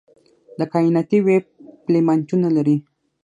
د کائناتي ویب فیلامنټونه لري.